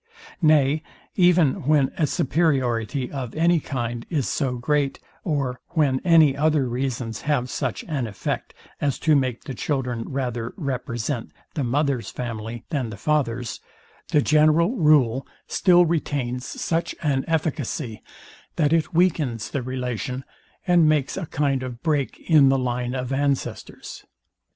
Nay even when a superiority of any kind is so great, or when any other reasons have such an effect, as to make the children rather represent: the mother's family than the father's, the general rule still retains such an efficacy that it weakens the relation, and makes a kind of break in the line of ancestors.